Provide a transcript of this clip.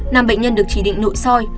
nam bệnh nhân được chỉ định nội soi